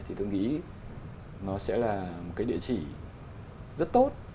thì tôi nghĩ nó sẽ là một cái địa chỉ rất tốt